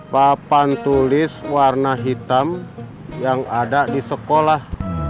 papan tulis warna hitam yang ada di sekolah